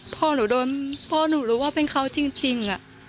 พ่อหนูโดนพ่อหนูรู้ว่าเป็นเขาจริง